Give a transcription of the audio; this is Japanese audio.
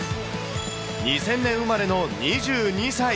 ２０００年生まれの２２歳。